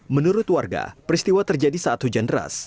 menurut warga peristiwa terjadi saat hujan deras